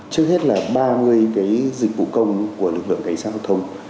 trước hết là ba mươi cái dịch vụ công của lực lượng cảnh sát giao thông